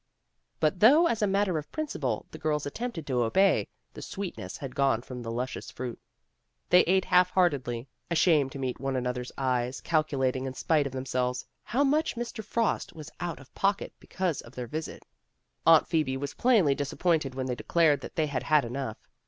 But though as a matter of principle, the girls attempted to obey, the sweetness had gone from the luscious fruit. They ate half heartedly, ashamed to meet one another's eyes, calculating, in spite of themselves, how much Mr. Frost was out of pocket because of their visit. Aunt Phoebe was plainly disappointed when they declared that they had had enough.